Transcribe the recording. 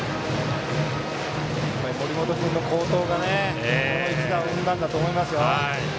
森本君の好投がこの一打を生んだと思いますよ。